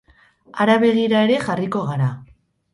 Hara begira ere jarriko gara.